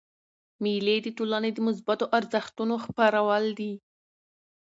مېلې د ټولني د مثبتو ارزښتو خپرول دي.